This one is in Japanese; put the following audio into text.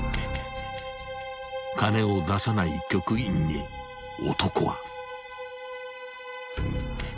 ［金を出さない局員に男は］